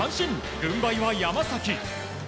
軍配は山崎。